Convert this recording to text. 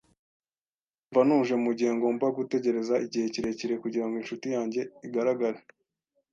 Ndumva ntuje mugihe ngomba gutegereza igihe kirekire kugirango inshuti yanjye igaragare.